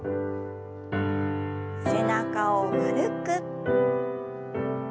背中を丸く。